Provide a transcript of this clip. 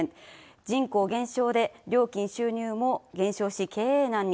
人口減少で料金収入も減少し、経営難に。